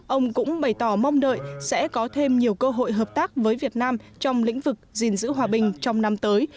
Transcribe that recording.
ông cũng bày tỏ mong đợi sẽ có thêm nhiều cơ hội hợp tác với việt nam trong lĩnh vực gìn giữ hòa bình trong năm tới